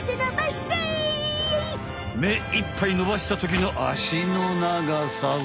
めいっぱいのばしたときのあしの長さは。